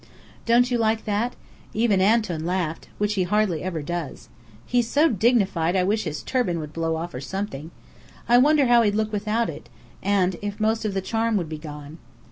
Don't you like that? Even Antoun laughed which he hardly ever does. He's so dignified I wish his turban would blow off or something. I wonder how he'd look without it, and if most of the charm would be gone?